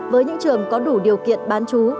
với những trường có đủ điều kiện bán chú